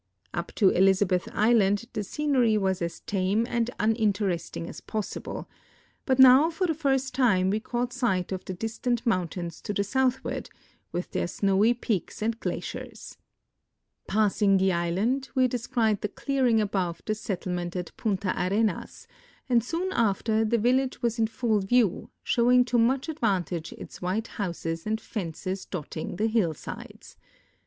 Up to Elizabeth island the scenery Avas as tame and un interesting as possible, but noAv for the first time we caught sight of the distant mountains to the soutliAA^ard, Avith their snoAV}^ ]3eaks and glaciers. Passing the island, Ave descried the clearing above the settlement at Punta Arenas, and soon after the A^illage was in full vieAV, showing to much adA'^antage its Avhite houses and fences dotting the hillsides.